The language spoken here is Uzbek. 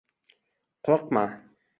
Qo‘rqma!